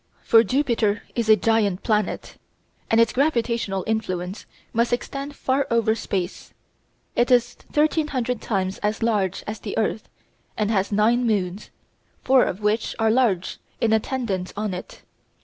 For Jupiter is a giant planet, and its gravitational influence must extend far over space. It is 1,300 times as large as the earth, and has nine moons, four of which are large, in attendance on it.